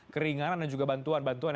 keringanan dan juga bantuan bantuan